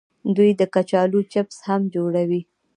دوی د کچالو چپس هم جوړوي.